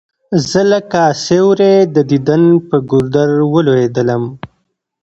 زه لکه سیوری د دیدن پر گودر ولوېدلم